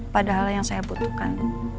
padahal yang saya butuhkan